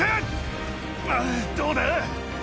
どうだ？